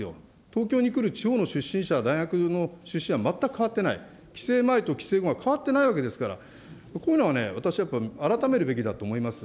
東京に来る地方の出身者、大学の出身者は全く変わってない、規制前と規制後は変わってないわけですから、こういうのはね、私、やっぱり改めるべきだと思います。